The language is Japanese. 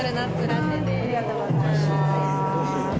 ありがとうございます。